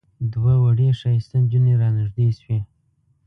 دوه وړې ښایسته نجونې را نږدې شوې.